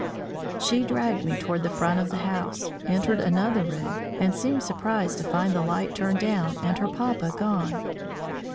She dragged me toward the front of the house, entered another room, and seemed surprised to find the light turned down and her papa gone.